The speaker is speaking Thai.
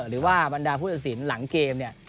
หรือว่าบรรดาผู้ตัดสินหลังเกมเนี่ย